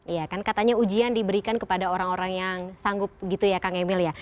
iya kan katanya ujian diberikan kepada orang orang yang sanggup gitu ya kang emil ya